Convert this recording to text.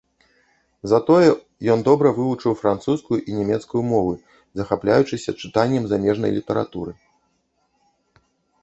Затое ён добра вывучыў французскую і нямецкую мовы, захапляючыся чытаннем замежнай літаратуры.